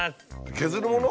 削るもの？